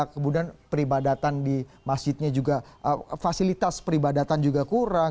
kemudian peribadatan di masjidnya juga fasilitas peribadatan juga kurang